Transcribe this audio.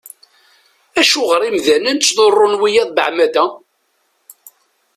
Acuɣer imdanen ttḍurrun wiyaḍ beεmada?